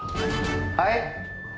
はい？